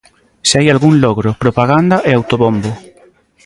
Se hai algún logro, propaganda e autobombo.